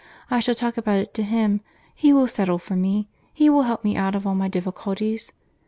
I shall talk about it to him; he will settle for me; he will help me out of all my difficulties.